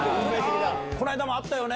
この間も会ったよね！